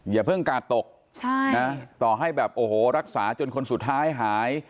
อย่าเพิ่งกาดตกต่อให้รักษาจนคนสุดท้ายหาย